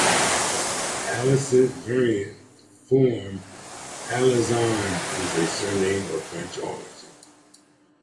Alison, variant form Alizon, is a surname of French origin.